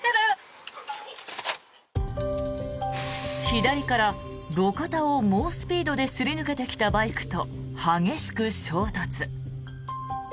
左から路肩を猛スピードですり抜けてきたバイクと激しく衝突。